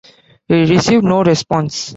He received no response.